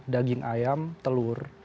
daging ayam telur